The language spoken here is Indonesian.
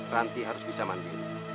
ranti harus bisa mandi